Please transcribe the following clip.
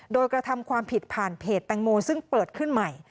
โดยกระทำความผิดผ่านเพจแตงโมซึ่งเปิดขึ้นใหม่